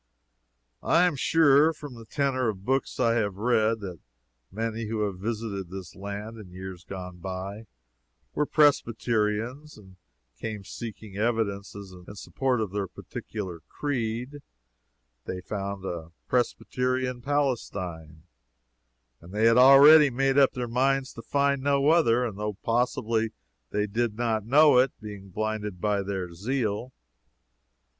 I am sure, from the tenor of books I have read, that many who have visited this land in years gone by, were Presbyterians, and came seeking evidences in support of their particular creed; they found a Presbyterian Palestine, and they had already made up their minds to find no other, though possibly they did not know it, being blinded by their zeal.